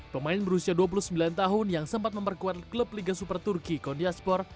pemain berusia dua puluh sembilan tahun yang sempat memperkuat klub liga super turki kondiaspor